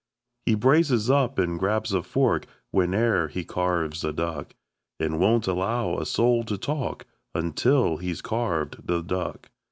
He braces up and grabs a fork Whene'er he carves a duck And won't allow a soul to talk Until he's carved the duck.